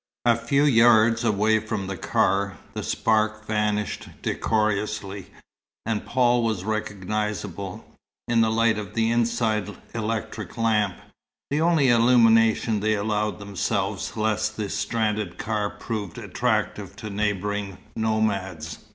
A few yards away from the car, the spark vanished decorously, and Paul was recognizable, in the light of the inside electric lamp, the only illumination they allowed themselves, lest the stranded car prove attractive to neighbouring nomads.